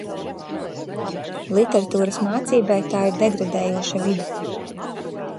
Literatūras mācībai tā ir degradējoša vide.